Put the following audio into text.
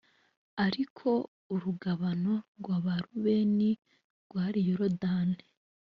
ariko urugabano rw’abarubeni rwari yorodani